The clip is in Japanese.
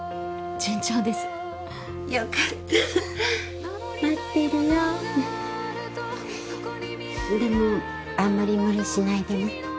順調ですよかった待ってるよでもあんまり無理しないでね